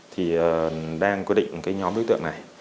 thì đang quy định nhóm đối tượng này